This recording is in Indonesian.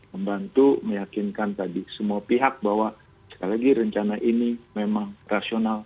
membantu meyakinkan tadi semua pihak bahwa sekali lagi rencana ini memang rasional